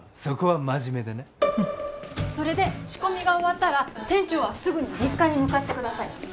そこは真面目だなそれで仕込みが終わったら店長はすぐに実家に向かってください